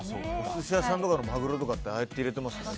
お寿司屋さんとかのマグロってああやって入れてますよね